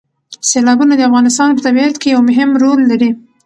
سیلابونه د افغانستان په طبیعت کې یو مهم رول لري.